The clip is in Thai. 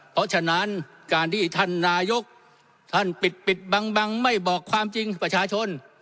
เพราะฉะนั้นการที่ท่านนายกท่านปิดปิดบังไม่บอกความจริงประชาชน